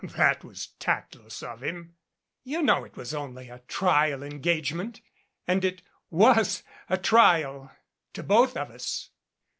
"That was tactless of him." "You know it was only a trial engagement, and it was a trial to both of us."